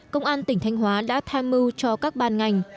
công an tỉnh thanh hóa đã tham mưu cho các ban ngành